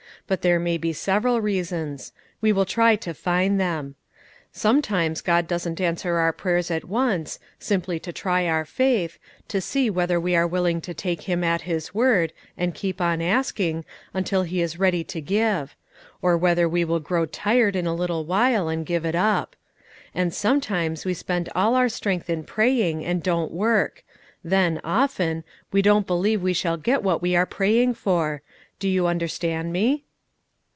But there may be several reasons: we will try to find them. Sometimes God doesn't answer our prayers at once, simply to try our faith, to see whether we are willing to take Him at His word, and keep on asking, until He is ready to give; or whether we will grow tired in a little while, and give it up. And sometimes we spend all our strength in praying, and don't work; then, often, we don't believe we shall get what we are praying for. Do you understand me?"